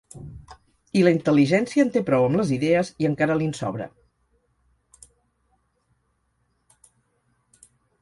I la intel·ligència en té prou amb les idees i encara li'n sobra.